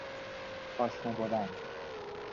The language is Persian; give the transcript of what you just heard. پاشنه بلند